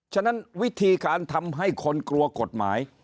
ฉะนั้นวิธีการทำให้คนกลัวกฎหมาย